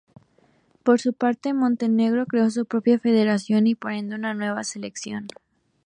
Por su parte, Montenegro creó su propia federación y, por ende, una nueva selección.